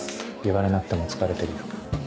言われなくても疲れてるよ。